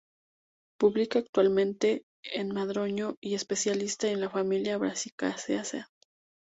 Publica habitualmente en Madroño, y es especialista en la familia Brassicaceae.